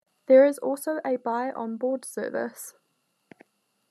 There is also a buy on board service.